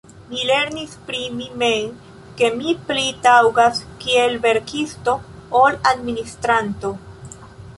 Mi lernis pri mi mem, ke mi pli taŭgas kiel verkisto ol administranto.